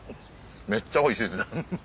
めっちゃおいしいですね。